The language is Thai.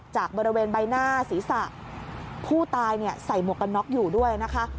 จากบริเวณใบหน้าศีรษะผู้ตายใส่หมวกกันน็อกอยู่ด้วยนะคะ